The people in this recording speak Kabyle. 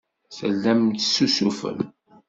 Tellam tessusufem.